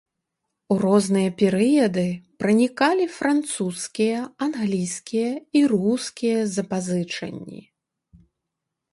У розныя перыяды пранікалі французскія, англійскія і рускія запазычанні.